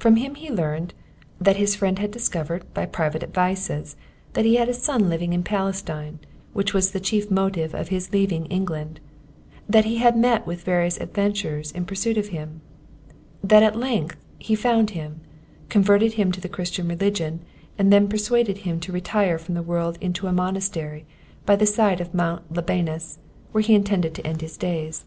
From him he learned that his friend had discovered, by private advices, that he had a son living in Palestine, which was the chief motive of his leaving England; that he had met with various adventures in pursuit of him; that at length he found him, converted him to the Christian religion, and then persuaded him to retire from the world into a monastery by the side of Mount Libanus, where he intended to end his days.